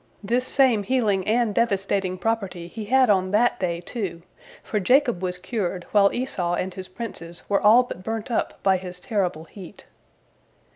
This same healing and devastating property he had on that day, too, for Jacob was cured, while Esau and his princes were all but burnt up by his terrible heat.